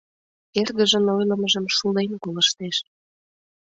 Эргыжын ойлымыжым шулен колыштеш.